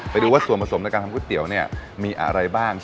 ไปดูว่าส่วนผสมในการทำก๋วยเตี๋ยวเนี่ยมีอะไรบ้าง